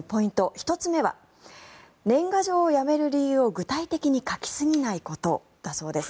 １つ目は年賀状をやめる理由を具体的に書きすぎないことだそうです。